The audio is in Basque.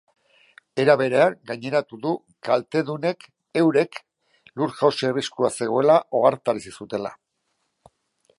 Era berean, gaineratu du kaltedunek eurek lur-jausi arriskua zegoela ohartarazi zutela.